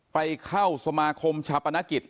ไปเข้าสมคมชะบรรณกิจ